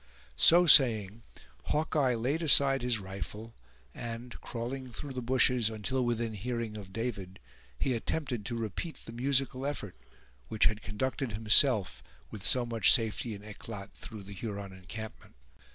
So saying, Hawkeye laid aside his rifle; and, crawling through the bushes until within hearing of David, he attempted to repeat the musical effort, which had conducted himself, with so much safety and eclat, through the Huron encampment.